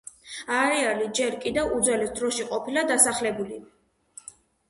არეალი ჯერ კიდევ უძველეს დროში ყოფილა დასახლებული.